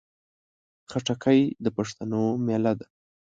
خټکی د پښتنو مېله ده.